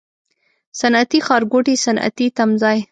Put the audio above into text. صنعتي ښارګوټی، صنعتي تمځای